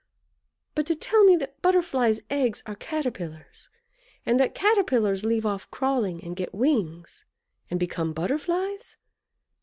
But to tell me that Butterflies' eggs are Caterpillars, and that Caterpillars leave off crawling and get wings, and become Butterflies!